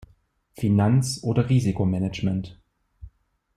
Finanz- oder Risikomanagement.